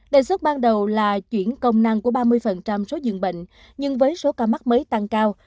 đề xuất ban đầu là chuyển công năng của ba mươi số dường bệnh nhưng với số ca mắc mới tăng cao